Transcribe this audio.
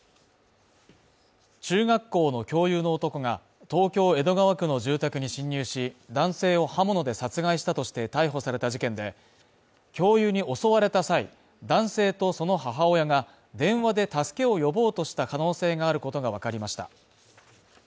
中学校の教諭の男が、東京・江戸川区の住宅に侵入し、男性を刃物で殺害したとして逮捕された事件で教諭に襲われた際、男性とその母親が電話で助けを呼ぼうとした可能性があることがわかりました。